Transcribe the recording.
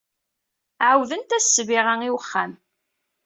Ɛawdent-as ssbiɣa i wexxam.